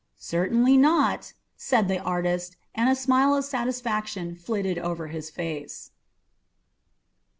"Certainly not," said the artist, and a smile of satisfaction flitted over his face.